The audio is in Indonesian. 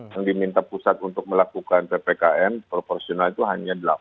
yang diminta pusat untuk melakukan ppkm proporsional itu hanya delapan